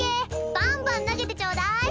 バンバン投げてちょうだい！